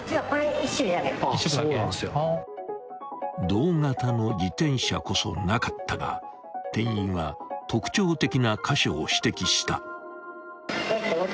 ［同型の自転車こそなかったが店員は特徴的な箇所を指摘した］